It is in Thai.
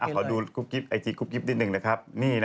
ขอดูไอจีคุบกิฟต์นิดนึงเอ่ะครับ